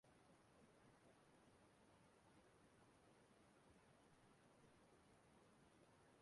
Tupu mụ enwe ike zọrue ụkwụ mụ n’Ala Igbo